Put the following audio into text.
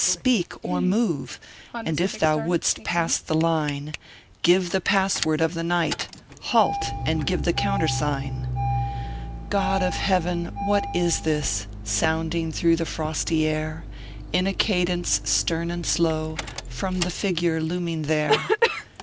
Speak, or move I And if thou wouldst pass the line, Give the password of the night Halt ! and givo the countersign. ORPHEUS 0. KERB PAPERS. 187 God of Heaven ! what is this Sounding through the frosty air, In a cadence stern and slow, From the figure looming there